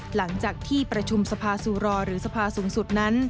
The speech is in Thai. หลังจากที่ประชุมสภาสุรอหรือสภาสูงสุดนั้น